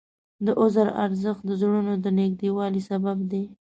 د عذر ارزښت د زړونو د نږدېوالي سبب دی.